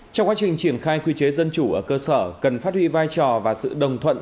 trong quá trình triển khai quy chế dân chủ ở cơ sở cần phát huy vai trò và sự đồng thuận